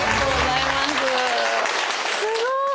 すごい！